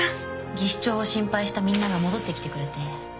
技師長を心配したみんなが戻ってきてくれて。